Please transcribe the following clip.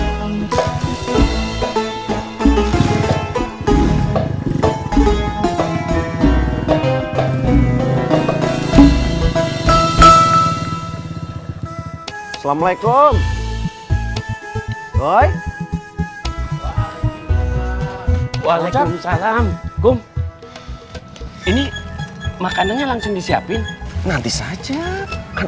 hai assalamualaikum hai hai hai waalaikumsalam kum ini makannya langsung disiapin nanti saja kan